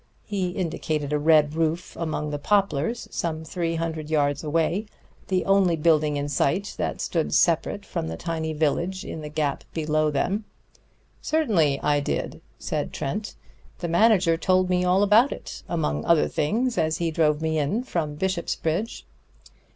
He indicated a red roof among poplars some three hundred yards away, the only building in sight that stood separate from the tiny village in the gap below them. "Certainly I did," said Trent. "The manager told me all about it, among other things, as he drove me in from Bishopsbridge."